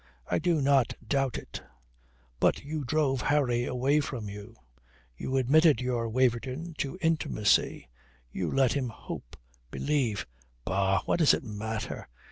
I do not doubt it. But you drove Harry away from you. You admitted your Waverton to intimacy you let him hope believe bah, what does it matter?